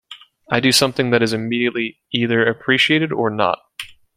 I do something that is immediately either appreciated or not.